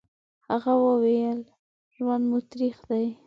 هغه وويل: ژوند مو تريخ دی.